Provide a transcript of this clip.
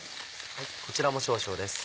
こちらも少々です。